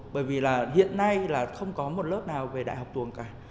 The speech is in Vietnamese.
bởi vì là hiện nay là không có một lớp nào về đại học tuồng cả